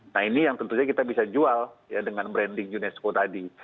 nah ini yang tentunya kita bisa jual ya dengan branding unesco tadi